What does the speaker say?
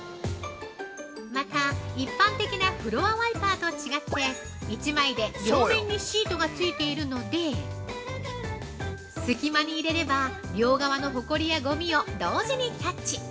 ◆また一般的なフロアワイパーと違って１枚で両面にシートがついているので隙間に入れば両側のほこりやごみを同時にキャッチ！